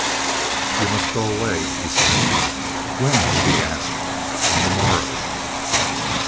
"You must go away," he said. "When?" she asked. "On the morrow."